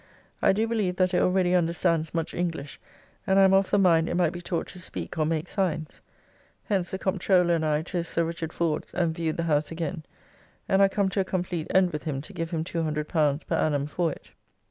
I do believe that it already understands much English, and I am of the mind it might be taught to speak or make signs. Hence the Comptroller and I to Sir Rd. Ford's and viewed the house again, and are come to a complete end with him to give him L200 per an. for it.